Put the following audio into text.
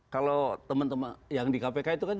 kalau teman teman yang di kpk itu kan